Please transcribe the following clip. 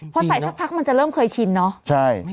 พอใส่สักพักมันจะเริ่มเคยชินเนาะ